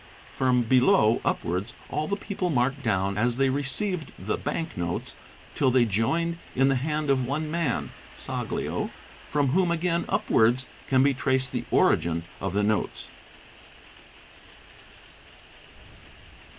From below upwards:—all the people are marked down as they received the bank notes till they joined in the hand of one man (Saglio), from whom again upwards can be traced the origin of the notes.